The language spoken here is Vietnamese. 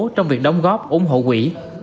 trong việc đóng góp ủng hộ quỹ